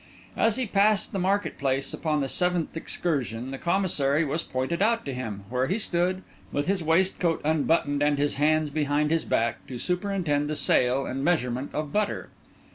As he passed the market place upon the seventh excursion the Commissary was pointed out to him, where he stood, with his waistcoat unbuttoned and his hands behind his back, to superintend the sale and measurement of butter.